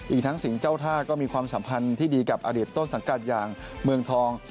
อีกทั้งสิ่งเจ้าท่าก็มีความสัมพันธ์ที่ดีกับอดีตต้นสังกัดอย่างเมืองทอง